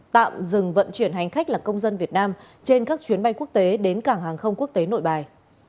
tạm dừng vận chuyển hành khách là công dân việt nam trên các chuyến bay quốc tế đến cảng hàng không quốc tế nội bài